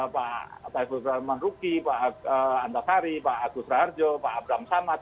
pak taifudzaman ruki pak antasari pak agus raharjo pak abramsamat